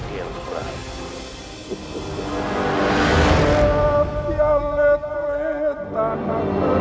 kau ger prabu